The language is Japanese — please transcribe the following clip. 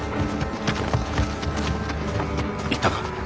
行ったか？